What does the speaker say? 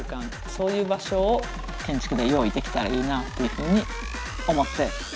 そういう場所を建築で用意できたらいいなっていうふうに思っています。